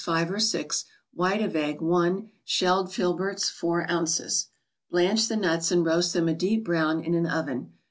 5 or 6; White of egg, i ; Shelled Filberts, 4 oz. Blanch the nuts, and roast them a deep brown in an oven.